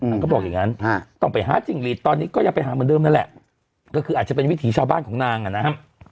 เขาบอกอย่างนั้นต้องไปหาจิ้งหลีดตอนนี้ก็ยังไปหาเหมือนเดิมนั่นแหละก็คืออาจจะเป็นวิถีชาวบ้านของนางอ่ะนะครับ